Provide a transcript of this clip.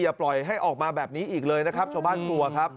ปล่อยให้ออกมาแบบนี้อีกเลยนะครับชาวบ้านกลัวครับ